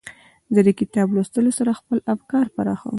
زه د کتاب لوستلو سره خپل افکار پراخوم.